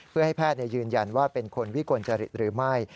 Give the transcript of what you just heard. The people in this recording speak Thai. เพื่อให้แพทย์ยืนยันว่าเป็นคนวิกลจริตหรือไม่